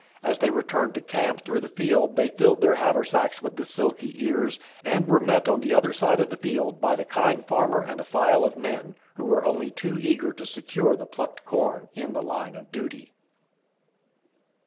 As they returned to camp through the field they filled their haversacks with the silky ears, and were met on the other side of the field by the kind farmer and a file of men, who were only too eager to secure the plucked corn "in the line of duty."